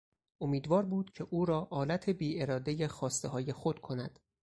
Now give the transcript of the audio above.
امیدوار بود که او را آلت بیارادهی خواستههای خود کند.